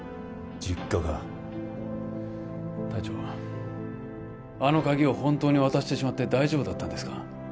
実家か隊長あの鍵を本当に渡してしまって大丈夫だったんですか？